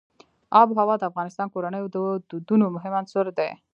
آب وهوا د افغان کورنیو د دودونو مهم عنصر دی.